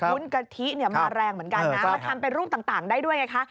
วุ้นกะทิมาแรงเหมือนกันนะมาทำเป็นรูปต่างได้ด้วยไงคะ